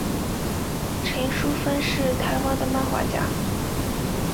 陈淑芬是台湾的漫画家。